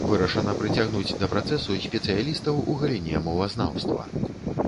Вырашана прыцягнуць да працэсу спецыялістаў у галіне мовазнаўства.